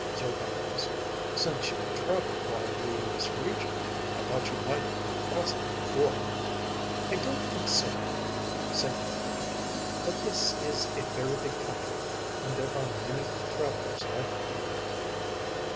Zircon asked. "Since you've traveled widely in this region, I thought you might have come across him before." "I don't think so," Sing replied. "But this is a very big country and there are many travelers like him."